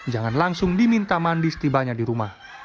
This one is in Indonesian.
jangan langsung diminta mandi setibanya di rumah